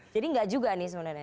jadi enggak juga nih sebenarnya